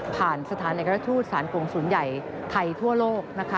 ผ่านสถานกระทรูปสถานกรงศูนย์ใหญ่ไทยทั่วโลก